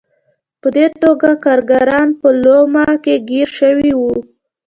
په دې توګه کارګران په لومه کې ګیر شوي وو.